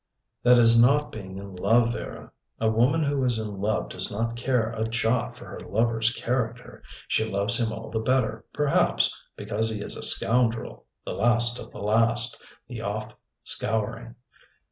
"That is not being in love, Vera. A woman who is in love does not care a jot for her lover's character. She loves him all the better, perhaps, because he is a scoundrel the last of the last the off scouring.